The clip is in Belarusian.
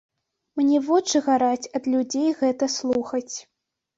Мне вочы гараць ад людзей гэта слухаць.